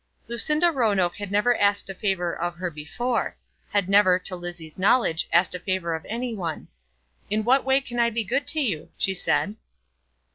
Lucinda Roanoke had never asked a favour of her before; had never, to Lizzie's knowledge, asked a favour of any one. "In what way can I be good to you?" she said.